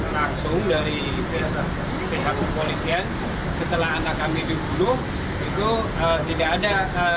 langsung dari pihak kepolisian setelah anak kami dibunuh itu tidak ada